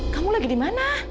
kamu lagi dimana